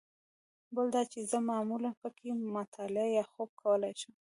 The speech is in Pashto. بل دا چې زه معمولاً په کې مطالعه یا خوب کولای شم.